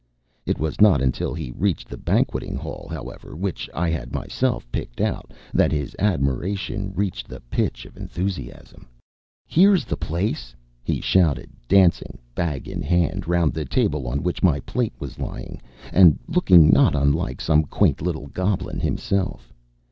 It was not until he reached the banqueting hall, however, which I had myself picked out, that his admiration reached the pitch of enthusiasm. "'Ere's the place!" he shouted, dancing, bag in hand, round the table on which my plate was lying, and looking not unlike some quaint little goblin himself.